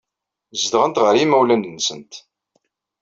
Zedɣent ɣer yimawlan-nsent.